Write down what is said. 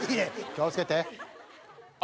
気を付けて。